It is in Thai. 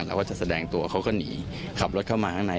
เราก็จะแสดงตัวเขาก็หนีขับรถเข้ามาข้างใน